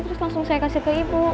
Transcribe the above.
terus langsung saya kasih ke ibu